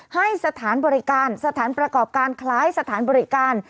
ให้สถานบริการสถานประกอบการคล้ายสถานบริการ